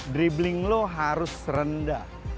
dribbling lo harus rendah